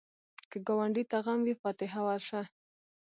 که ګاونډي ته غم وي، فاتحه ورشه